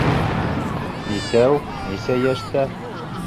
Нисәү, нисә йәштә?